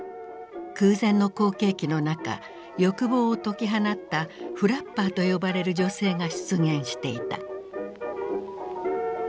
空前の好景気の中欲望を解き放ったフラッパーと呼ばれる女性が出現していた。